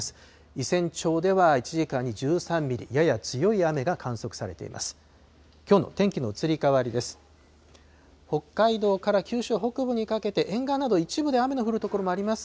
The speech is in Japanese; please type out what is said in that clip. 伊仙町では１時間に１３ミリ、やや強い雨が観測されています。